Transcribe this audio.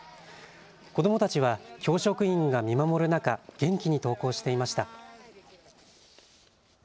子どもたちは教職員が見守る中、元気に登校していました。